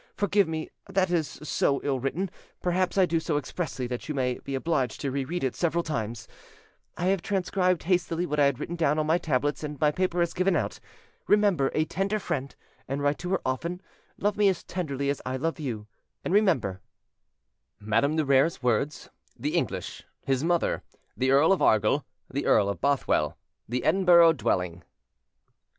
Forgive me that it is so ill written: perhaps I do so expressly that you may be obliged to re read it several times: I have transcribed hastily what I had written down on my tablets, and my paper has given out. Remember a tender friend, and write to her often: love me as tenderly as I love you, and remember: "Madame de Rere's words; The English; His mother; The Earl of Argyll; The Earl of Bothwell; The Edinburgh dwelling."